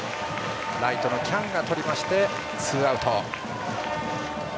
ライトの喜屋武がとりましてツーアウト。